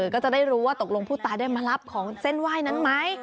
ก็จะได้รู้ว่าตกลงผู้ตายได้มารับของเส้นไหว้นั้นไหม